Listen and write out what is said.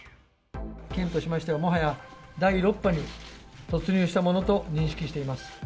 県としましては、もはや第６波に突入したものと認識しています。